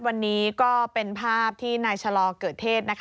วันนี้ก็เป็นภาพที่นายชะลอเกิดเทศ